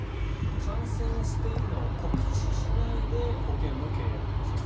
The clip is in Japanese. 感染しているのを告知しないで保険の契約をする。